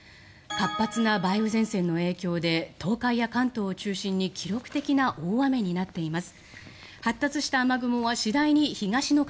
活発な梅雨前線の影響で東海や関東を中心に記録的な大雨になっています。